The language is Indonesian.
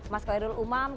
mas koyerul umam